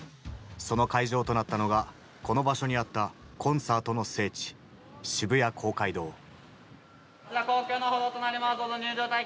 その会場となったのがこの場所にあったコンサートの聖地渋谷公会堂。